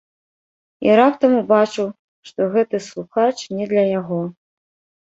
І раптам убачыў, што гэты слухач не для яго.